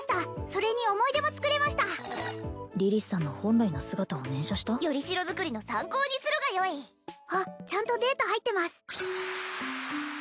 それに思い出も作れましたリリスさんの本来の姿を念写した？よりしろ作りの参考にするがよいあっちゃんとデータ入ってます